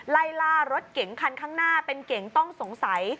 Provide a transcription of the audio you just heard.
ไล่ล่ารถเก๋งคันข้างหน้าเป็นเก๋งต้องสงสัย